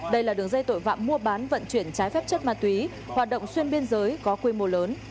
đây là đường dây tội phạm mua bán vận chuyển trái phép chất ma túy hoạt động xuyên biên giới có quy mô lớn